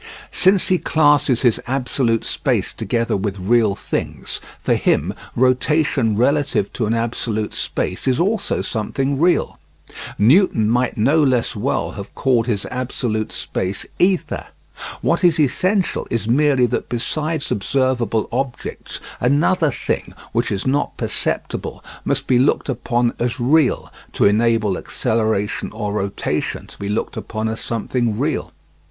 Since he classes his absolute space together with real things, for him rotation relative to an absolute space is also something real. Newton might no less well have called his absolute space "Ether"; what is essential is merely that besides observable objects, another thing, which is not perceptible, must be looked upon as real, to enable acceleration or rotation to be looked upon as something real.